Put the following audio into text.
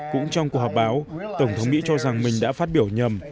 cũng trong cuộc họp báo tổng thống mỹ cho rằng mình đã phát biểu nhầm